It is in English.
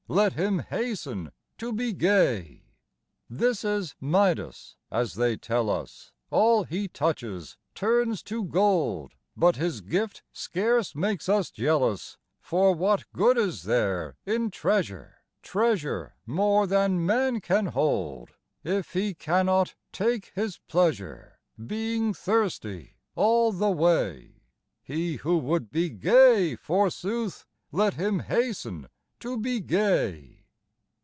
Let him hasten to be gay. This is Midas : as they tell us, All he touches turns to gold, But his gift scarce makes us jealous ; For what good is there in treasure. Treasure more than man can hold. If he cannot take his pleasure, Being thirsty all the way ? He who would be gay, forsooth, Let him hasten to be gay.